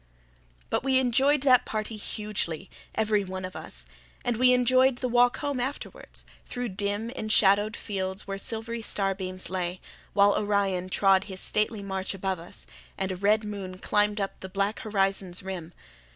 But we enjoyed that party hugely, every one of us. And we enjoyed the walk home afterwards, through dim, enshadowed fields where silvery star beams lay, while Orion trod his stately march above us, and a red moon climbed up the black horizon's rim.